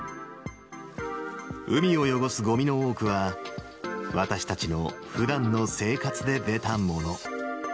海を汚すごみの多くは、私たちのふだんの生活で出たもの。